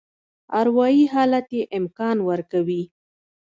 اروایي حالت یې امکان ورکوي.